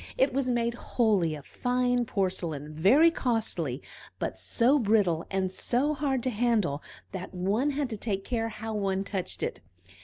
It was made wholly of fine porcelain, very costly, but so brittle and so hard to handle that one had to take care how one touched it.